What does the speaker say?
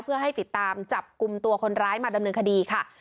เพื่อให้ติดตามจับกลุ่มตัวคนร้ายมาดำเนินคดีค่ะ